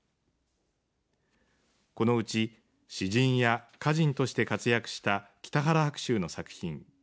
このうち詩人や歌人として活躍した北原白秋の作品